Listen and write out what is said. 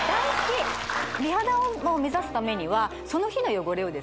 美肌を目指すためにはその日の汚れをですね